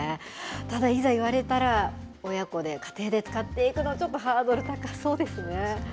ただ、いざ言われたら、親子で、家庭で使っていくの、ちょっとハードル高そうですね。